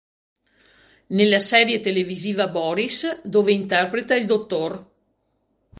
Nella serie televisiva "Boris", dove interpreta il dr.